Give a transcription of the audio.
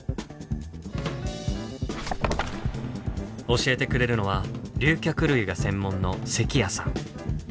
教えてくれるのは竜脚類が専門の関谷さん。